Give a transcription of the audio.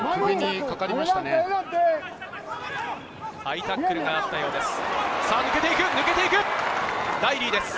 ハイタックルがあったようです。